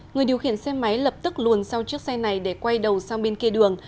người điều khiển xe máy lập tức luồn sau chiếc xe này để quay đầu sang bên kia đường